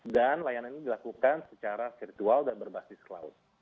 dan layanan ini dilakukan secara virtual dan berbasis cloud